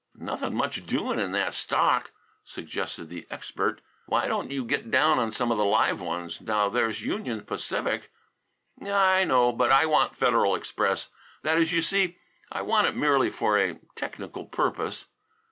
"Nothing much doing in that stock," suggested the expert. "Why don't you get down on some the live ones. Now there's Union Pacific " "I know, but I want Federal Express. That is, you see, I want it merely for a technical purpose."